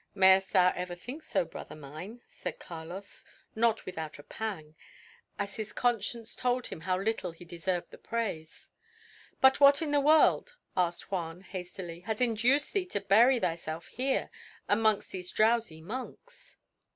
"Mayest thou ever think so, brother mine," said Carlos, not without a pang, as his conscience told him how little he deserved the praise. "But what in the world," asked Juan hastily, "has induced thee to bury thyself here, amongst these drowsy monks?"